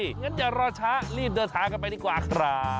งั้นอย่ารอช้ารีบเดินทางกันไปดีกว่าครับ